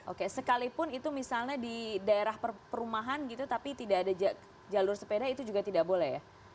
oke sekalipun itu misalnya di daerah perumahan gitu tapi tidak ada jalur sepeda itu juga tidak boleh ya